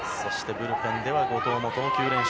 ブルペンでは後藤も投球練習。